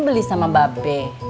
mending beli sama